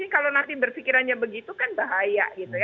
kalau nanti berpikirannya begitu kan bahaya